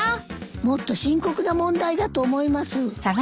もっと深刻な問題だと思います。